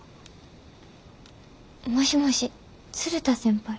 もしもし鶴田先輩？